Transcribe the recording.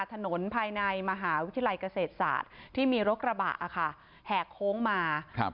ถนนภายในมหาวิทยาลัยเกษตรศาสตร์ที่มีรถกระบะอ่ะค่ะแหกโค้งมาครับ